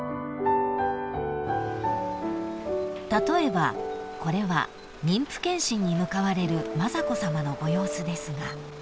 ［例えばこれは妊婦健診に向かわれる雅子さまのご様子ですが］